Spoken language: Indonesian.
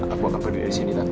aku akan peduli disini tante